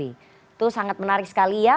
itu sangat menarik sekali ya